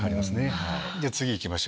次行きましょう。